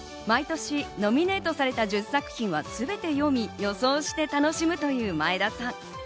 毎年ノミネートされた１０作品は全て読み、予想して楽しむという前田さん。